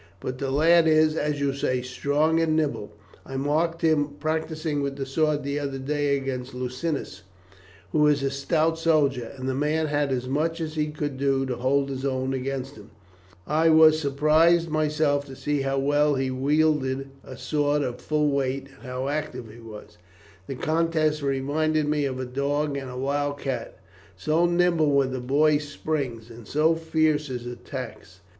But the lad is, as you say, strong and nimble. I marked him practising with the sword the other day against Lucinus, who is a stout soldier, and the man had as much as he could do to hold his own against him. I was surprised myself to see how well he wielded a sword of full weight, and how active he was. The contest reminded me of a dog and a wild cat, so nimble were the boy's springs, and so fierce his attacks.